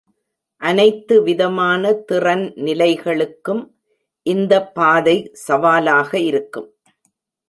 அனைத்து விதமான திறன் நிலைகளுக்கும், இந்த பாதை சவாலாக இருக்கும்.